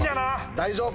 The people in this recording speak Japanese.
大丈夫！